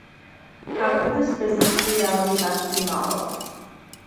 How could this business reality best be modelled?